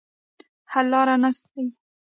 حل لاره ناستې دي.